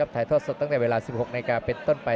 ถ่ายทอดสดตั้งแต่เวลา๑๖นาทีเป็นต้นไป